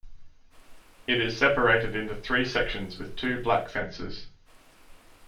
It is separated into three sections with two black fences.